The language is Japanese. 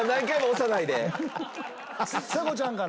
ちさ子ちゃんから。